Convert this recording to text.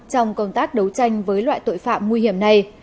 trong công tác đấu tranh với loại tội phạm nguy hiểm này